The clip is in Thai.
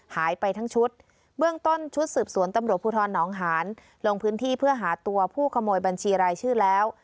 หายไปทั้งชุดเบื้องต้นชุดสืบสวนตำรวจภูทรหนองหานลงพื้นที่เพื่อหาตัวผู้ขโมยบัญชีรายชื่อแล้ว